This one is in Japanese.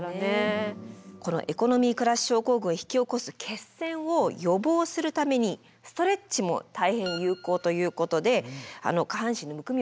このエコノミークラス症候群を引き起こす血栓を予防するためにストレッチも大変有効ということで下半身のむくみを取るものですね